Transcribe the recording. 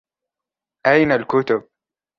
أين الكتب ؟